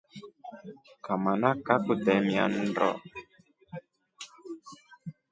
Kamana kakutemia nndo.